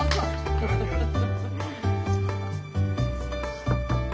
フフフフ。